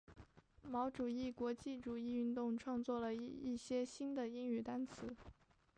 毛主义国际主义运动创作了一些新的英语单词。